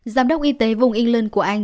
giám đốc y tế vùng england của anh